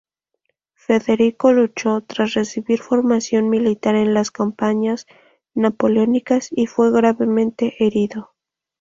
Federico luchó -tras recibir formación militar- en las campañas napoleónicas y fue gravemente herido.